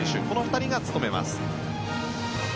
この２人が務めます。